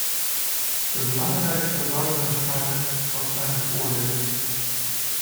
De belangrijkste luiden waarschijnlijk: wat zijn de voordelen?